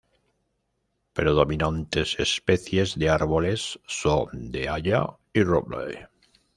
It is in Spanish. Predominante especies de Árboles son de Haya y Roble.